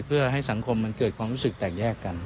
เพื่อให้สังคมมันเกิดความรู้สึกแตกแยกกัน